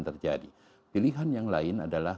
terjadi pilihan yang lain adalah